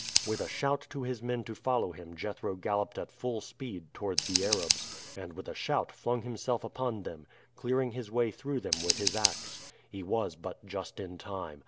With a shout to his men to follow him Jethro galloped at full speed toward the Arabs, and with a shout flung himself upon them, clearing his way through them with his ax. He was but just in time.